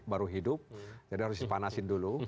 baru hidup jadi harus dipanasin dulu